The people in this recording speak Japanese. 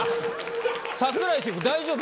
櫻井シェフ大丈夫？